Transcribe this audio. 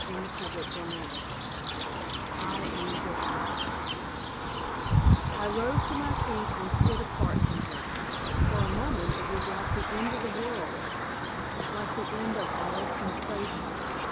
CHAPTER XX I AM THE VICTIM I rose to my feet and stood apart from her. For a moment it was like the end of the world like the end of all sensation.